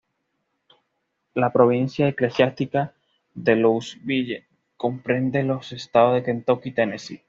La Provincia Eclesiástica de Louisville comprende los estados de Kentucky y Tennessee.